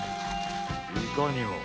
いかにも。